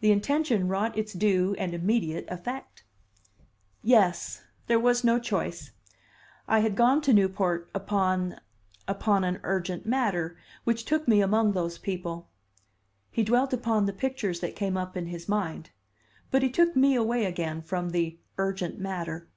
The intention wrought its due and immediate effect. "Yes. There was no choice. I had gone to Newport upon upon an urgent matter, which took me among those people." He dwelt upon the pictures that came up in his mind. But he took me away again from the "urgent matter."